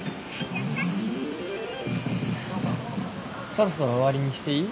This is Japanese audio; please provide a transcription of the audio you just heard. そろそろ終わりにしていい？